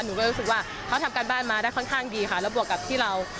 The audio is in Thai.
หนูก็รู้สึกว่าเขาทำการบ้านมาได้ค่อนข้างดีค่ะแล้วบวกกับที่เรา